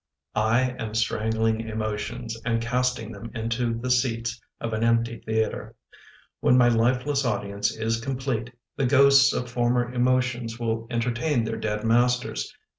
I AM strangling emotions And casting them into the seats Of an empty theatre. When my lifeless audience is complete, The ghosts of former emotions Will entertain their dead masters.